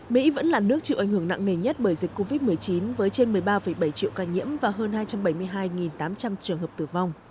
mỹ vẫn là nước chịu ảnh hưởng nặng nề nhất bởi dịch covid một mươi chín với trên một mươi ba bảy triệu ca nhiễm và hơn hai trăm bảy mươi hai tám trăm linh trường hợp tử vong